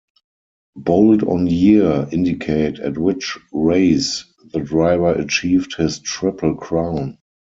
Bold on year indicate at which race the driver achieved his Triple Crown.